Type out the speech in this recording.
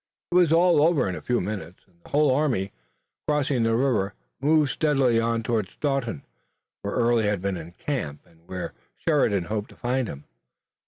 It was all over in a few minutes, and the whole army, crossing the river, moved steadily on toward Staunton, where Early had been in camp, and where Sheridan hoped to find him.